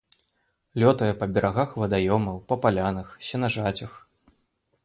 Лётае па берагах вадаёмаў, на палянах, сенажацях.